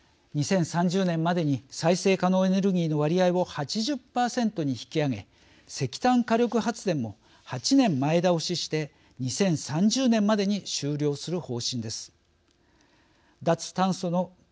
２０３０年までに再生可能エネルギーの割合を８０％に引き上げ石炭火力発電も８年前倒しして２０３０年までに終了する方針です。